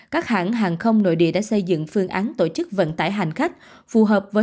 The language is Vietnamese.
các hãng hàng không nội địa đã xây dựng phương án tổ chức vận tải hành khách